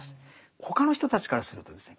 他の人たちからするとですね